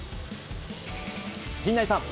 陣内さん。